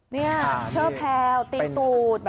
นี้เชื้อแพลวตีตูด